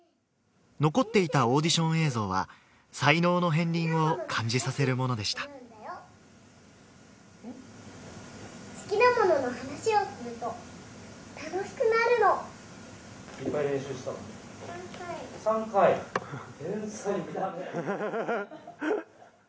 残っていたオーディション映像は才能の片りんを感じさせるものでした・フフフ！